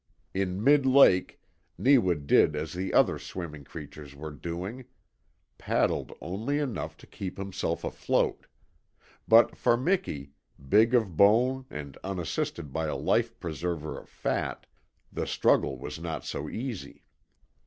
In mid lake Neewa did as the other swimming creatures were doing paddled only enough to keep himself afloat; but for Miki, big of bone and unassisted by a life preserver of fat, the struggle was not so easy.